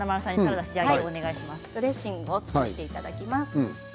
ドレッシングを作っていただきます。